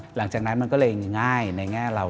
หลังจากนั้นมันก็เลยง่ายในแง่เรา